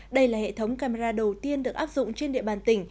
đây là hệ thống camera đầu tiên được áp dụng trên địa bàn tỉnh